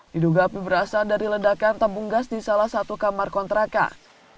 diduga api berasal dari ledakan tabung gas di salah satu kamar kontrakan